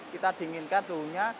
kita dinginkan suhunya